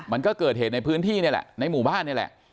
มันก็เกิดเหตุในพื้นที่นี่แหละในหมู่บ้านนี่แหละ